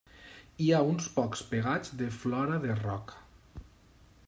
Hi ha uns pocs pegats de flora de roca.